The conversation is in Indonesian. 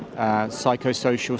dan bantuan psikosoial